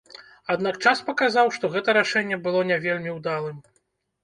Аднак час паказаў, што гэта рашэнне было не вельмі ўдалым.